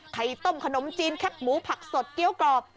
ไข่ต้มขนมจีนแคบหมูผักสดเกี้ยวกรอบ